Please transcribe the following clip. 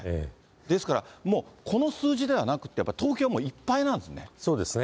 ですから、もう、この数字ではなくて、やっぱり東京もいっぱいなんですね。